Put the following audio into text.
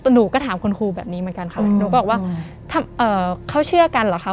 หนูก็ถามคุณครูแบบนี้เหมือนกันค่ะหนูก็บอกว่าเขาเชื่อกันเหรอคะ